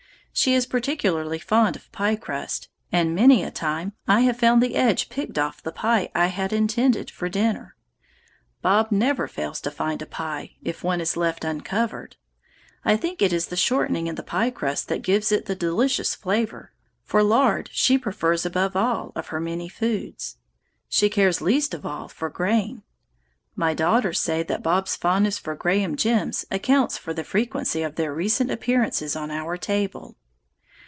"She is particularly fond of pie crust, and many a time I have found the edge picked off the pie I had intended for dinner. Bob never fails to find a pie, if one is left uncovered. I think it is the shortening in the pie crust that gives it the delicious flavor, for lard she prefers above all of her many foods. She cares least of all for grain. My daughters say that Bob's fondness for graham gems accounts for the frequency of their recent appearances on our table.